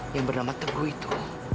yang bernama teguh itu